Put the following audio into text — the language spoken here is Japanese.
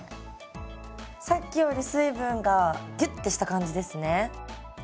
さっきより水分がギュッってした感じですね。